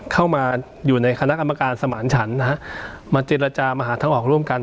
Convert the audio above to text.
เข้ามาอยู่ในคณะกรรมการสมานฉันนะฮะมาเจรจามาหาทางออกร่วมกัน